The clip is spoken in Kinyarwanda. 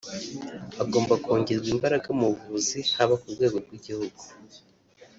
hagomba kongerwa imbaraga mu buvuzi haba ku rwego rw’igihugu